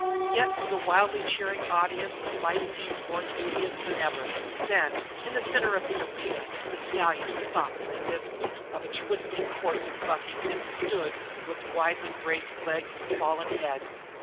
Yet to the wildly cheering audience the fight seemed more dubious than ever. Then, in the very centre of the arena, the stallion stopped in the midst of a twisting course of bucking and stood with widely braced legs and fallen head.